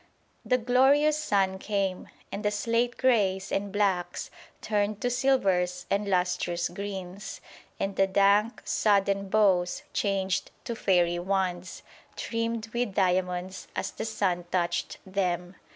The glorious sun came, and the slate greys and blacks turned to silvers and lustrous greens, and the dank sodden boughs changed to fairy wands, trimmed with diamonds as the sun touched them.